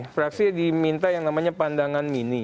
fraksi diminta yang namanya pandangan mini